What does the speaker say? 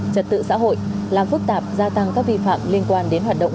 trật tự xã hội làm phức tạp gia tăng các vi phạm liên quan đến hoạt động